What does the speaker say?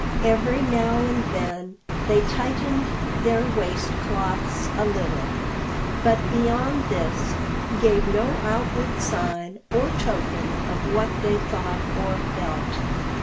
Every now and then they tightened their waist cloths a little, but beyond this gave no outward sign or token of what they thought or felt.